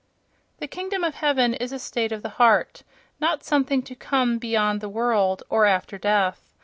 The "kingdom of heaven" is a state of the heart—not something to come "beyond the world" or "after death."